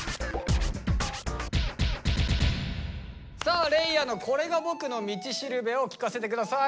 さあ嶺亜の「これが僕の道しるべ」を聞かせて下さい。